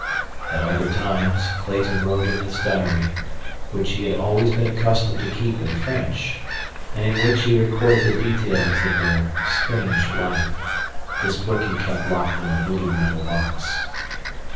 At other times Clayton wrote in his diary, which he had always been accustomed to keep in French, and in which he recorded the details of their strange life. This book he kept locked in a little metal box.